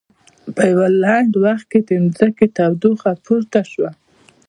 په یوه لنډ وخت کې د ځمکې تودوخه پورته شوه.